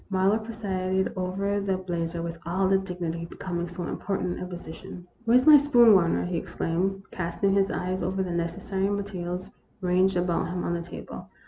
Marlowe presided over the blazer with all the 190 THE ROMANCE OF A SPOON. dignity becoming so important a position. " Where 's my spoon, Warner ?" he exclaimed, casting his eyes over the necessary materials ranged about him on the table.